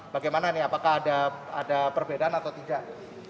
bagaimana nih apakah ada perbedaan atau tidak